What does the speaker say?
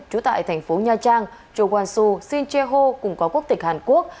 chủ tại thành phố nha trang châu quang xu xin che ho cùng có quốc tịch hàn quốc